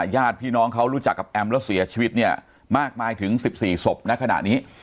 ญาติพี่น้องเขารู้จักกับแอมแล้วเสียชีวิตเนี่ยมากมายถึง๑๔ศพในขณะนี้